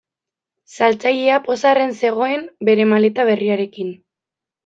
Saltzailea pozarren zegoen bere maleta berriarekin.